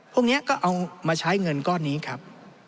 พวกนี้ก็เอามาใช้เงินก้อนนี้ครับ